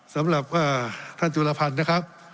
สำหรับท่านจุลพันธ์นะครับ